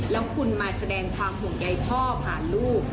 แล้วคุณมาแสดงความห่วงใยพ่อผ่านลูก